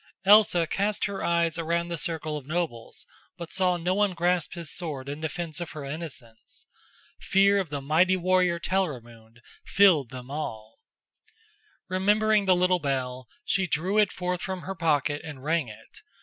Elsa cast her eyes around the circle of nobles, but saw no one grasp his sword in defense of her innocence. Fear of the mighty warrior Telramund filled them all. Remembering the little bell, she drew it forth from her pocket and rang it.